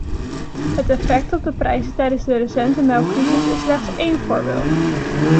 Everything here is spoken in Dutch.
Het effect op de prijzen tijdens de recente melkcrisis is slechts één voorbeeld.